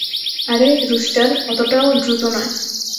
আরে, রুস্টার, অতটাও দ্রুত নয়!